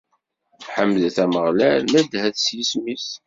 Ḥemdet Ameɣlal, nedhet s yisem-is.